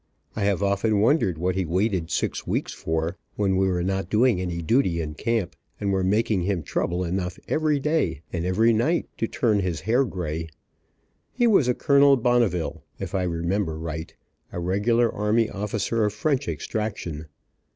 I have often wondered what he waited six weeks for, when we were not doing any duty in camp, and were making him trouble enough every day and every night to turn his hair gray. He was a Colonel Bonneville, if I remember right, a regular army officer of French extraction.